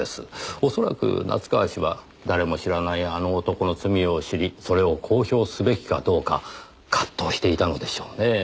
おそらく夏河氏は誰も知らない「あの男」の罪を知りそれを公表すべきかどうか葛藤していたのでしょうねぇ。